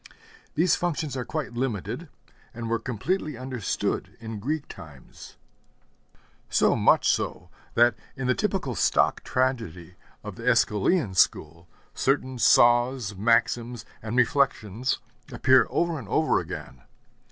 These functions are quite limited, and were completely understood in Greek times; so much so, that in the typical stock tragedy of the Æschylean school certain saws, maxims, and reflections appear over and over again.